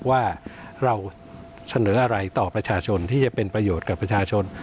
ว่าเราเสนออะไรต่อประชาชนที่จะเป็นประโยชน์กับประชาชน